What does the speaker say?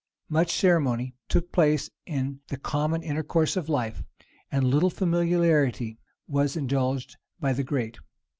Much ceremony took place in the common intercourse of life, and little familiarity was indulged by the great.